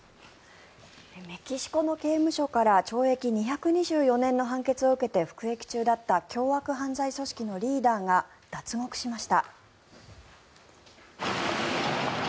メキシコの刑務所から懲役２２４年の判決を受けて服役中だった凶悪犯罪組織のリーダーが脱獄しました。